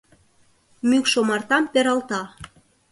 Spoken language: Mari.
Мӱкш омартам пералта